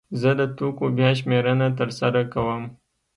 زه د توکو بیا شمېرنه ترسره کوم.